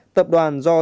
tập đoàn do danh